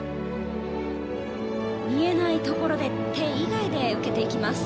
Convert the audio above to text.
見えないところで手以外で受けていきます。